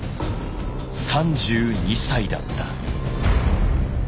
３２歳だった。